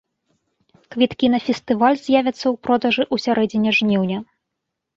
Квіткі на фестываль з'явяцца ў продажы ў сярэдзіне жніўня.